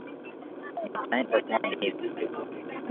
Nitaenda pwani hivi karibuni